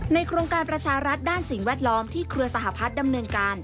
โครงการประชารัฐด้านสิ่งแวดล้อมที่เครือสหพัฒน์ดำเนินการ